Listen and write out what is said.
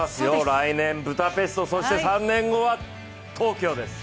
来年、ブタペストそして、３年後は東京です！